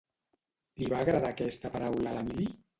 Li va agradar aquesta paraula a l'Emili?